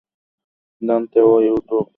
দান্তে এবং ইউটোপ--- এদুটো শব্দ মিশ্রন করেছ।